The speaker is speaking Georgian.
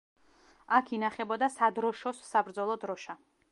აქ ინახებოდა სადროშოს საბრძოლო დროშა.